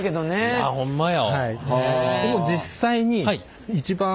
あっほんまや！